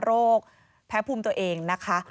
โรคแพ้ภูมิตัวเองนะคะ